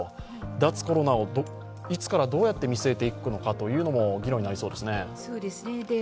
脱コロナをいつからどうやって見据えていくのかというのも議論になりそうですね。